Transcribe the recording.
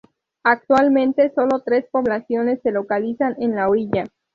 Actualmente, sólo tres poblaciones se localizan en la orilla.